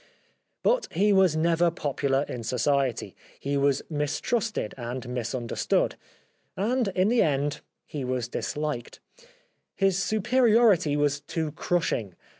But he was never popular in society ; he was mistrusted and mis understood; andintheendhe wasdishked. His superiority was too crushing.